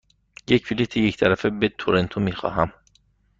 یک بلیط یک طرفه به تورنتو می خواهم.